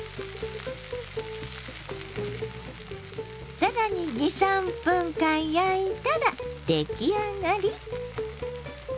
更に２３分間焼いたら出来上がり！